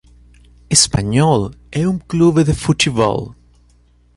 Espanyol é um clube de futebol.